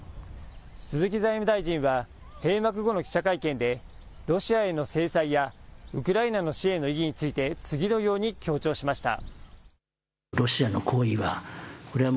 鈴木財務大臣は、閉幕後の記者会見で、ロシアへの制裁やウクライナの支援の意義について、次のように強調しました。